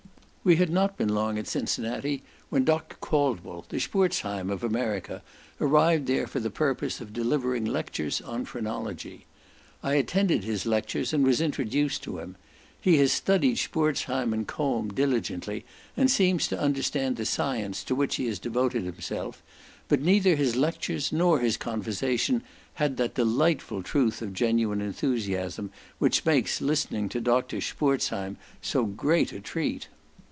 We had not been long at Cincinnati when Dr. Caldwell, the Spurzheim of America, arrived there for the purpose of delivering lectures on phrenology. I attended his lectures, and was introduced to him. He has studied Spurzheim and Combe diligently, and seems to understand the science to which he has devoted himself; but neither his lectures nor his conversation had that delightful truth of genuine enthusiasm, which makes listening to Dr. Spurzheim so great a treat.